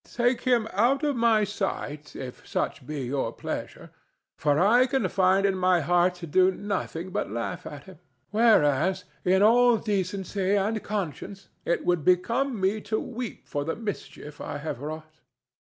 "Take him out of my sight, if such be your pleasure, for I can find in my heart to do nothing but laugh at him, whereas, in all decency and conscience, it would become me to weep for the mischief I have wrought."